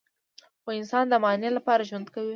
خو انسان د معنی لپاره ژوند کوي.